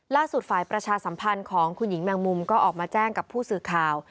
ฝ่ายประชาสัมพันธ์ของคุณหญิงแมงมุมก็ออกมาแจ้งกับผู้สื่อข่าว